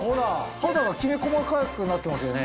肌がきめ細かくなってますよね。